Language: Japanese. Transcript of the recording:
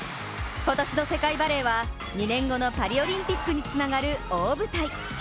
今年の世界バレーは２年後のパリオリンピックにつながる大舞台。